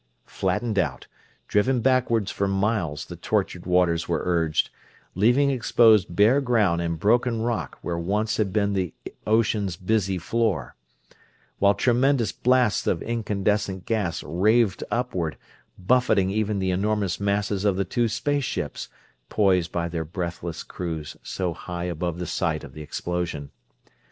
Flattened out, driven backward for miles the tortured waters were urged, leaving exposed bare ground and broken rock where once had been the ocean's busy floor; while tremendous blasts of incandescent gas raved upward, buffeting even the enormous masses of the two space ships, poised by their breathless crews so high above the site of the explosion.